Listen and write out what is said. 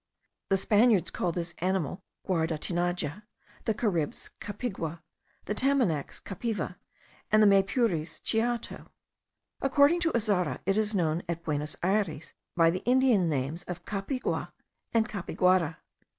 The Spaniards call this animal guardatinaja; the Caribs, capigua; the Tamanacs, cappiva; and the Maypures, chiato. According to Azara, it is known at Buenos Ayres by the Indian names of capiygua and capiguara.